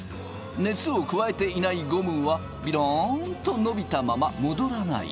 熱を加えていないゴムはビロンと伸びたままもどらない。